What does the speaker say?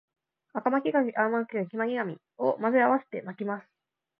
赤巻紙、青巻紙、黄巻紙を混ぜ合わせて巻きます